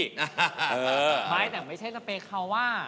ใช่แต่ไม่ใช่สเปคราวะ